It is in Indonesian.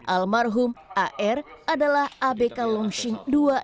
almarhum ar adalah abk longsing dua ratus enam puluh sembilan